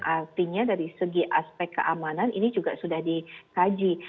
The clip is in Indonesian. artinya dari segi aspek keamanan ini juga sudah dikaji